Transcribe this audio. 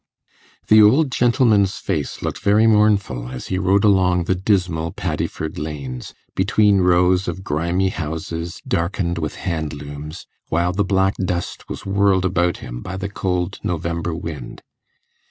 The old gentleman's face looked very mournful as he rode along the dismal Paddiford lanes, between rows of grimy houses, darkened with hand looms, while the black dust was whirled about him by the cold November wind.